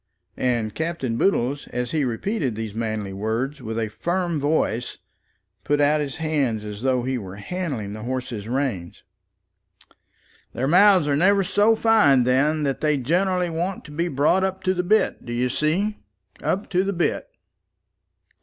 And Captain Boodle, as he repeated these manly words with a firm voice, put out his hands as though he were handling the horse's rein. "Their mouths are never so fine then, and they generally want to be brought up to the bit, d'ye see? up to the bit.